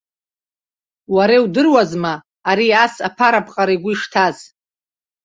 Уара иудыруазма ари ас аԥараԥҟара игәы ишҭаз?